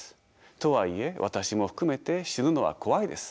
とはいえ私も含めて死ぬのは怖いです。